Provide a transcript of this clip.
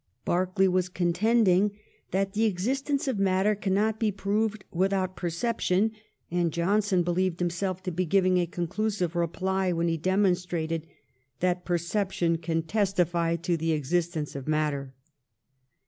Berkeley was contending that the existence of matter cannot be proved without perception, and Johnson believed himself to be giving a conclusive reply when he demonstrated that perception can testify to the existence of matter.